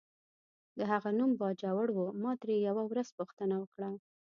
د هغه نوم باجوړی و، ما ترې یوه ورځ پوښتنه وکړه.